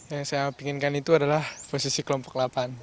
yang saya pinginkan itu adalah posisi kelompok delapan